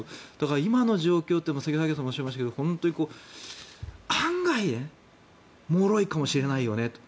今の状況って、先ほど萩谷さんもおっしゃいましたが本当に案外もろいかもしれないよねと。